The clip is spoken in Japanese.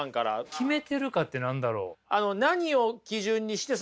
決めてるかって何だろう？